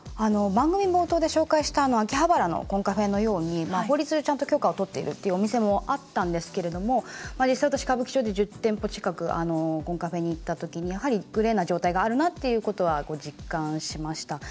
番組冒頭で紹介した秋葉原のコンカフェのように法律でちゃんと許可を取っているというお店もあったんですけれど実際、私歌舞伎町で１０店舗近くコンカフェにいった時にやはり、グレーな状態があるなということは実感しました。